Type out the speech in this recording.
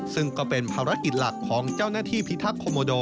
ซึ่งก็เป็นภารกิจหลักของเจ้าหน้าที่พิทักษ์โคโมโด